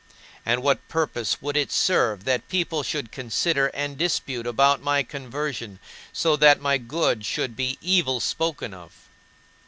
And what purpose would it serve that people should consider and dispute about my conversion so that my good should be evil spoken of?